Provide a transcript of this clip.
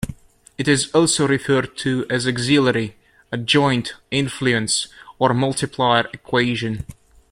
It is also referred to as "auxiliary", "adjoint", "influence", or "multiplier equation".